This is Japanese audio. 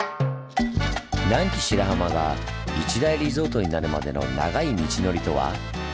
南紀白浜が一大リゾートになるまでの長い道のりとは？